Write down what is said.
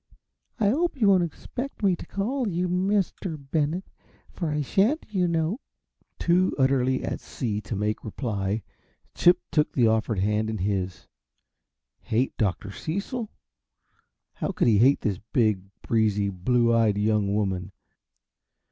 I hope you won't expect me to call you Mr. Bennett, for I shan't, you know." Too utterly at sea to make reply, Chip took the offered hand in his. Hate Dr. Cecil? How could he hate this big, breezy, blue eyed young woman?